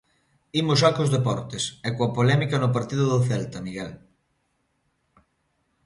Imos xa cos deportes, e coa polémica no partido do Celta, Miguel.